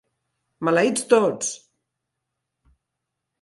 Maleïts tots!